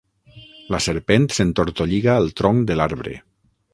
La serpent s'entortolliga al tronc de l'arbre.